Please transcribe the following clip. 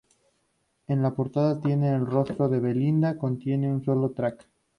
En la portada tiene el rostro de Belinda, contiene un solo track.